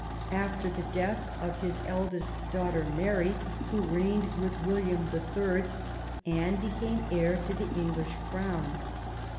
After the death of his eldest daughter, Mary, who reigned with William the Third, Anne became heir to the English crown.